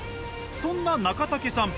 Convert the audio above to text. そんな中武さん